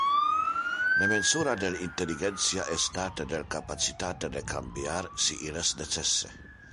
Le mensura del intelligentia es date del capacitate de cambiar, si il necesse.